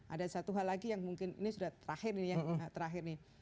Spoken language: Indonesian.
ada satu hal lagi yang mungkin ini sudah terakhir nih